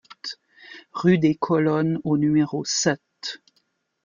Rue des Colonnes au numéro sept